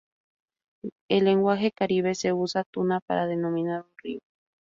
En lenguaje Caribe se usa "Tuna" para denominar un río.